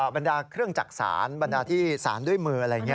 บรรดาเครื่องจักษานบรรดาที่สารด้วยมืออะไรอย่างนี้